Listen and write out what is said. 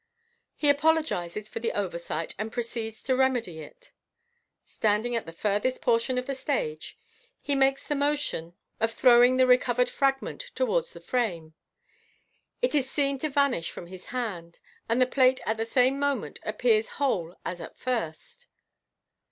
He apologizes for the oversight, and proceeds to remedv it. Standing at the furthest portion of the stage, he makes th« motion of *66 MODERN MAGIC. throwing the recovered fragment towards the frame. It is seen to vanish from his hand, and the plate at the same moment appears whole as at first.